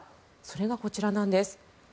それがこちらなんです。